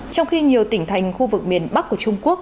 trong khi nhiều tỉnh thành khu vực miền bắc của trung quốc